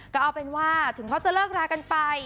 ก็เอาเป็นว่าถึงเขาจะเลิกรากันไป